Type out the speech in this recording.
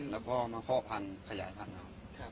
แล้วก็มาพ่อพันธุ์ขยายพันธุ์ครับ